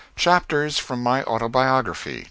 CHAPTERS FROM MY AUTOBIOGRAPHY.